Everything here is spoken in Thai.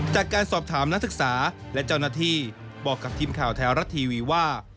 จากการสอบถามนักศึกษาและเจ้าหน้าที่บอกกับทีมข่าวแท้รัฐทีวีว่า